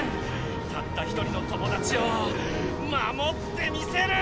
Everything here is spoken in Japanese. たった１人の友だちをまもってみせる！